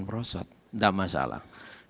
merosot enggak masalah